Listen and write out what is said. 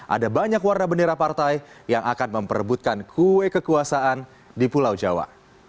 ada banyak warna bendera partai yang akan memperebutkan kue kekuasaan di pulau jawa